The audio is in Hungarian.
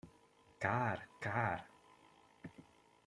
Kár, kár!